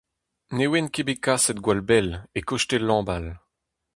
Ne oan ket bet kaset gwall bell, e-kostez Lambal.